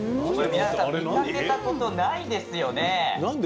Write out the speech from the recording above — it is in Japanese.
皆さん、この箱見たことないですよね。